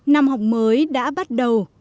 năm học mới đã bắt đầu